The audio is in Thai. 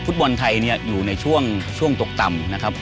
ฟุตบอลไทยเนี่ยอยู่ในช่วงตกต่ำนะครับ